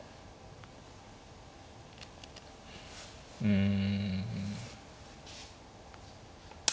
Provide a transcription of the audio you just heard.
うん。